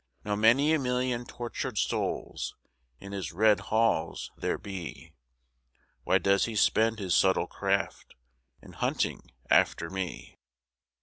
Now many a million tortured souls In his red halls there be: Why does he spend his subtle craft In hunting after me?